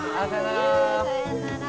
さようなら！